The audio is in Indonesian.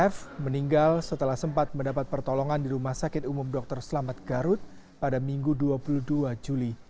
f meninggal setelah sempat mendapat pertolongan di rumah sakit umum dr selamat garut pada minggu dua puluh dua juli